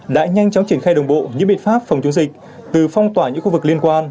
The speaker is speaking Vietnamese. đã nhanh chóng triển khai đồng bộ những biện pháp phòng chống dịch từ phong tỏa những khu vực liên quan